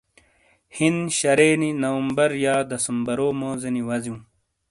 ہِن شَرے نی نومبر یا دسمبرو موزینی وزیوں۔